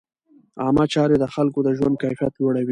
عامه چارې د خلکو د ژوند کیفیت لوړوي.